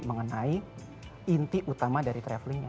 mengenai inti utama dari travelingnya